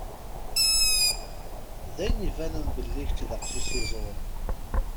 D ayen ibanen belli kečč d aqcic iẓewṛen.